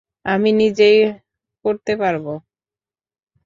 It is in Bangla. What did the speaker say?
আমি নিজেই করতে পারব।